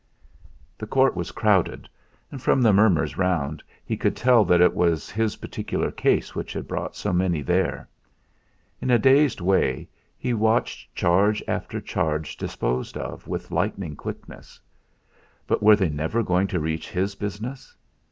The court was crowded; and from the murmurs round he could tell that it was his particular case which had brought so many there. In a dazed way he watched charge after charge disposed of with lightning quickness. But were they never going to reach his business?